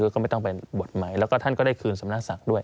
ก็ไม่ต้องไปบวชใหม่แล้วก็ท่านก็ได้คืนสำนักศักดิ์ด้วย